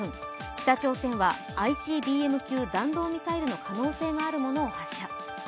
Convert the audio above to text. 北朝鮮はＩＣＢＭ級弾道ミサイルの可能性のあるものを発射。